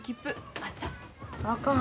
あかん。